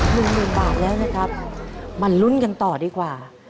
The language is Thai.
หนึ่งหมื่นบาทแล้วนะครับมาลุ้นกันต่อดีกว่า